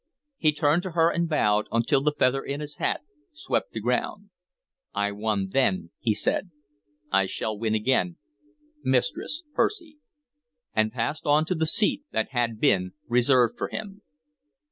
He turned to her and bowed, until the feather in his hat swept the ground. "I won then," he said. "I shall win again Mistress Percy," and passed on to the seat that had been reserved for him.